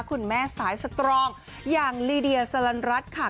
คุณแม่สายสตรองอย่างลีเดียสลันรัฐค่ะ